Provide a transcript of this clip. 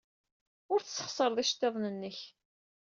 Ur tesxeṣreḍ iceḍḍiḍen-nnek.